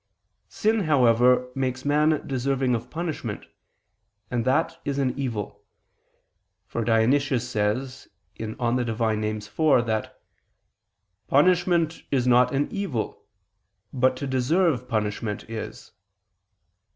Sin, however, makes man deserving of punishment, and that is an evil: for Dionysius says (Div. Nom. iv) that "punishment is not an evil, but to deserve punishment is."